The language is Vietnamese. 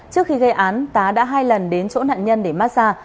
trước khi gây án tá đã hai lần đến chỗ nạn nhân để mát xa